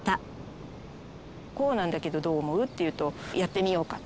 「こうなんだけどどう思う？」って言うと「やってみようか」